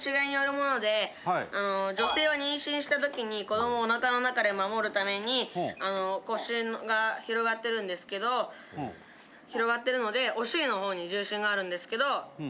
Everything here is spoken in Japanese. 女性は妊娠した時に子どもをおなかの中で守るために腰が広がってるんですけど広がってるのでお尻の方に重心があるんですけど。